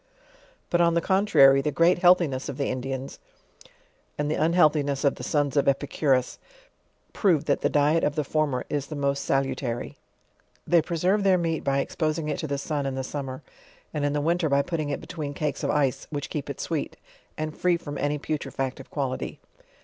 But on the con trary, the great healthiness of the Indians, and the unhealth iness of the sons of Epicurus, prove, that the diet of the former is the most salutary. They preserve their meat by exposing it to the sun iq the summer, and in the winter by putting it between . cakes of ice, which keep it sweet, and free from any putre factive quality.